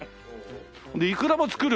でいくらも作る？